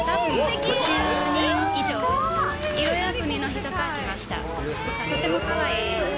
５０人以上、いろいろな国の人が来ました。